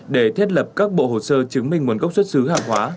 để thiết lập các bộ hồ sơ chứng minh nguồn gốc xuất xứ hàng hóa